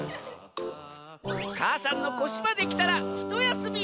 母山のこしまできたらひとやすみ！